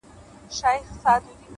سره رڼا د سُرکو سونډو په کوټه کي-